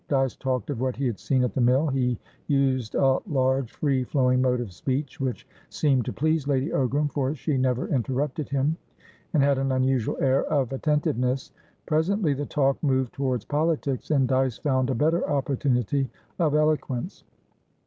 Dyce talked of what he had seen at the mill; he used a large, free flowing mode of speech, which seemed to please Lady Ogram, for she never interrupted him and had an unusual air of attentiveness. Presently the talk moved towards politics, and Dyce found a better opportunity of eloquence.